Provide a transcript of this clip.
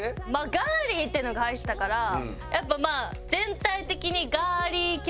「ガーリー」っていうのが入ってたからやっぱまあ全体的にガーリー系を入れながら。